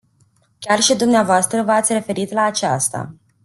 Chiar și dvs. v-ați referit la aceasta.